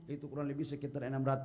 itu kurang lebih sekitar enam ratus